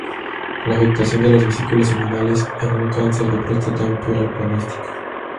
La afectación de las vesículas seminales en un cáncer de próstata empeora el pronóstico.